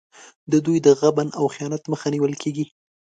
د دوی د غبن او خیانت مخه نیول کېږي.